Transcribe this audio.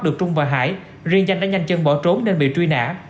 được trung và hải riêng danh đã nhanh chân bỏ trốn nên bị truy nã